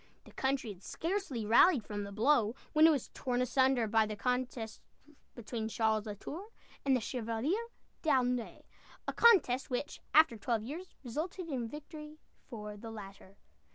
The country had scarcely rallied from the blow, when it was torn asunder by the contest between Charles la Tour and the Chevalier D'Aulnay a contest which, after twelve years, resulted in victory for the latter.